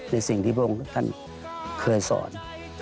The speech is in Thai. ในสิ่งที่พระองค์ท่านเคยสอน